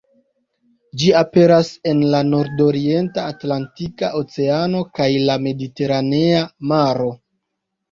Ĝi aperas en la nord-orienta Atlantika Oceano kaj la Mediteranea Maro.